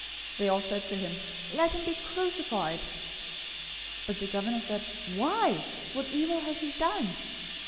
They all said to him, "Let him be crucified!" 027:023 But the governor said, "Why? What evil has he done?"